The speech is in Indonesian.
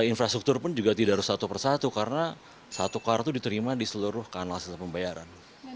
infrastruktur pun juga tidak harus satu persatu karena satu kartu diterima di seluruh kanal sistem pembayaran